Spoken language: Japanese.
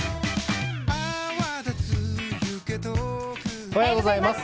おはようございます。